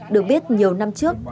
được biết nhiều năm trước